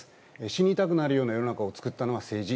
死にたくなるような世の中を作ったのは政治。